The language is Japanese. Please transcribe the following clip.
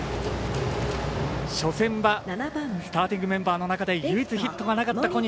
初戦はスターティングメンバーの中で唯一ヒットがなかった小西。